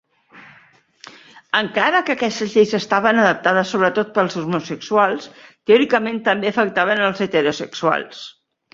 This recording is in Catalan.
Encara que aquestes lleis estaven adaptades sobretot per als homosexuals, teòricament també afectaven els heterosexuals.